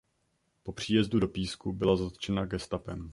Po příjezdu do Písku byla zatčena gestapem.